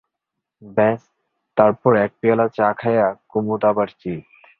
ব্যস, তারপর এক পেয়ালা চা খাইয়া কুমুদ আবার চিত।